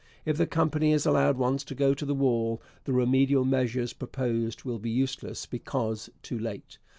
If the Company is allowed once to go to the wall, the remedial measures proposed will be useless because too late.